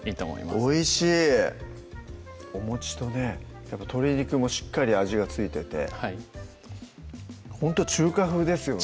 おいしいおとね鶏肉もしっかり味が付いててほんと中華風ですよね